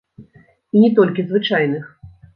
І не толькі звычайных.